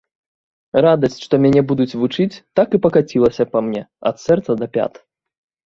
Радасць, што мяне будуць вучыць, так і пакацілася па мне, ад сэрца да пят.